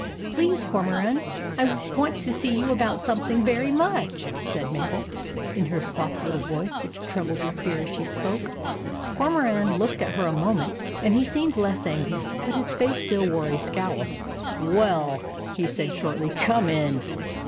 " Please, Cormoran, I want to see you about something very much," said Mabel, THE RESCUE OF JACK 215 in her soft little voice, which trembled with fear as she spoke. Cormoran looked at her a moment, and he seemed less angry. But his face still wore a scowl. " WELL/' he said shortly, " COME IN."